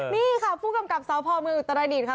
นี่ค่ะผู้กำกับซาวพมือตระดิษฎ์ค่ะ